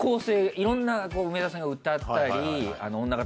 いろんな梅沢さんが歌ったり女形